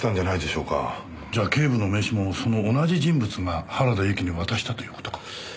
じゃあ警部の名刺もその同じ人物が原田由紀に渡したという事か。